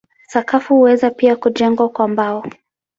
Sakafu huweza pia kujengwa kwa mbao.